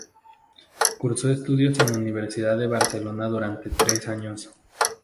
Cursó estudios en Universidad de Barcelona durante tres años.